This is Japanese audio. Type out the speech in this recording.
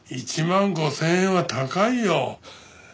１万５０００円は高いよ！